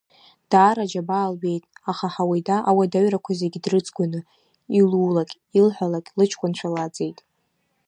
Даара аџьабаа лбеит, аха Ҳауида ауадаҩрақәа зегьы дрыҵгәаны, илулакь-илҳәалакь, лыҷкәынцәа лааӡеит.